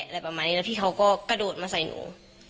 แล้วพี่เขาก็กระโดดมาใส่หนู